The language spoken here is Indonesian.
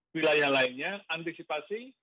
wilayah lainnya antisipasi